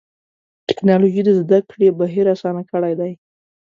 ټکنالوجي د زدهکړې بهیر آسانه کړی دی.